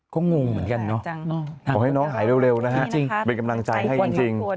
ก็งงเหมือนกันเนาะขอให้น้องหายเร็วนะฮะเป็นกำลังใจให้จริง